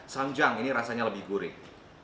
sanjang ini rasanya lebih gurih